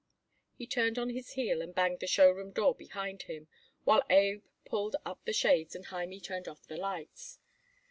He turned on his heel and banged the show room door behind him, while Abe pulled up the shades and Hymie turned off the lights.